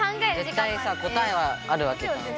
ぜったい答えはあるわけじゃん。